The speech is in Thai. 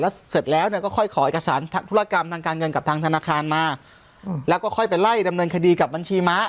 แล้วเสร็จแล้วเนี่ยก็ค่อยขอเอกสารธุรกรรมทางการเงินกับทางธนาคารมาแล้วก็ค่อยไปไล่ดำเนินคดีกับบัญชีม้า